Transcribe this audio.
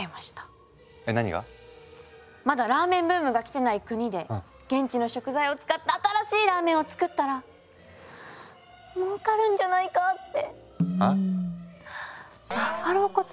まだラーメンブームが来てない国で現地の食材を使った新しいラーメンを作ったらもうかるんじゃないかって。